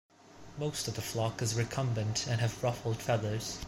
Most of the flock is recumbent and have ruffled feathers.